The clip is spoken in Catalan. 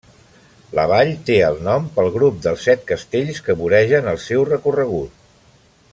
La vall té el nom pel grup dels set castells que voregen el seu recorregut.